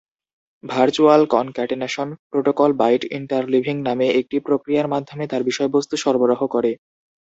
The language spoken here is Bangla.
ভার্চুয়াল কনক্যাটেনেশন প্রোটোকল বাইট-ইন্টারলিভিং নামে একটি প্রক্রিয়ার মাধ্যমে তার বিষয়বস্তু সরবরাহ করে।